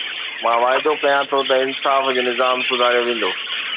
مان واعدو ڪيان ٿو ته انصاف جو نظام سڌاريو ويندو.